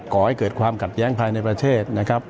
ก่อให้เกิดความขัดแย้งภายในประเทศนะครับ